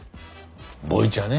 ボイチャね。